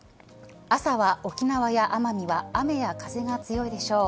朝は沖縄や奄美は雨や風が強いでしょう。